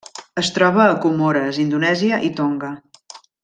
Es troba a Comores, Indonèsia i Tonga.